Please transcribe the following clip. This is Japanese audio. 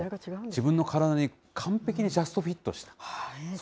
自分の体に完璧にジャストフィットして。